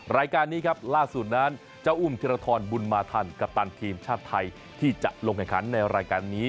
รายการนี้ครับล่าสุดนั้นเจ้าอุ้มธิรทรบุญมาทันกัปตันทีมชาติไทยที่จะลงแข่งขันในรายการนี้